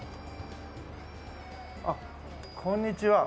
あっこんにちは。